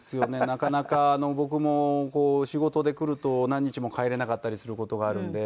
なかなか僕も仕事で来ると何日も帰れなかったりする事があるんで。